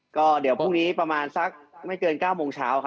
ก็เดี๋ยวพรุ่งนี้ประมาณสักไม่เกิน๙โมงเช้าครับ